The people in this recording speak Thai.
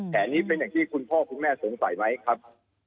แผนนี้เป็นอย่างที่คุณพ่อคุณแม่สงสัยไหมครับ